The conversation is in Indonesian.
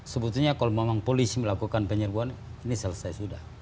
sebetulnya kalau memang polisi melakukan penyerbuan ini selesai sudah